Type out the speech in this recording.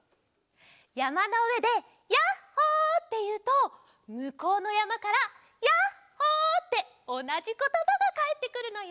やまのうえで「ヤッホー」っていうとむこうのやまから「ヤッホー」っておなじことばがかえってくるのよ。